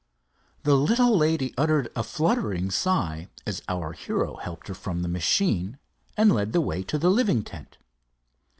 The little lady uttered a fluttering sigh as our hero helped her from the machine and led the way to the living tent.